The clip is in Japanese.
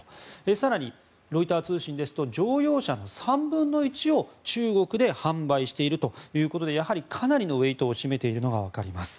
更に、ロイター通信ですと乗用車の３分の１を中国で販売しているということでやはりかなりのウェートを占めているのがわかります。